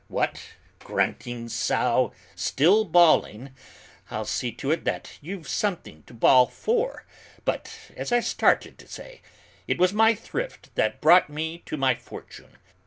What, grunting sow, still bawling? I'll see to it that you've something to bawl for, but as I started to say, it was my thrift that brought me to my fortune.